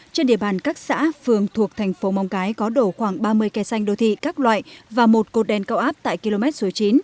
trên địa bàn các xã phường thuộc thành phố móng cái có đổ khoảng ba mươi kè xanh đô thị các loại và một cột đèn cao áp tại km số chín